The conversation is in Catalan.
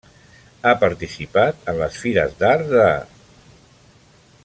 Ha participat en les fires d'art de: